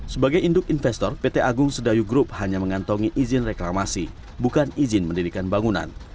sebagai induk investor pt agung sedayu group hanya mengantongi izin reklamasi bukan izin mendirikan bangunan